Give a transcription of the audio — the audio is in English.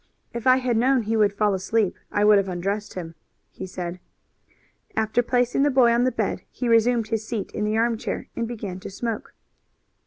"If I had known he would fall asleep I would have undressed him," he said. After placing the boy on the bed he resumed his seat in the armchair and began to smoke.